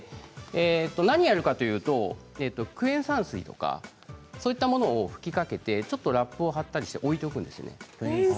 何をやるかというとクエン酸水とかそういったものを吹きかけてちょっとラップを張ったりして置いておくんですね。